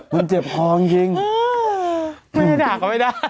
มันเจ็บของจริง